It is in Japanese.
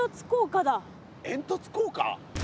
煙突効果？